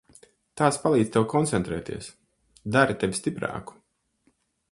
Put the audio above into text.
Tās palīdz tev koncentrēties, dara tevi stiprāku.